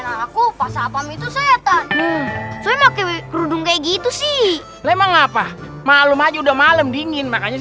aku pas apam itu setan kerudung kayak gitu sih emang apa malu maju udah malam dingin makanya